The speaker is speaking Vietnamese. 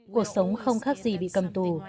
cuộc sống không khác gì bị cầm tù